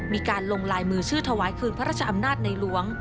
มีการลงลายมือชื่อถวายคืนพระราชอำนาจในหลวง